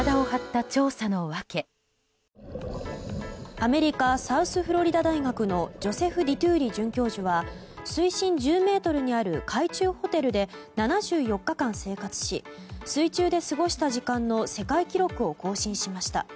アメリカ・サウスフロリダ大学のジョセフ・ディトゥーリ准教授は水深１０ｍにある海中ホテルで７４日間生活し水中で過ごした時間の世界記録を更新しました。